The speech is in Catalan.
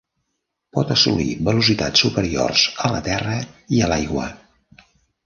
Pot assolir velocitats superiors a la terra i a l"aigua.